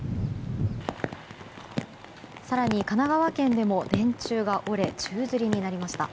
更に神奈川県でも電柱が折れ宙づりになりました。